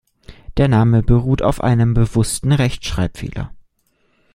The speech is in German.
Der Name beruht auf einem bewussten Rechtschreibfehler.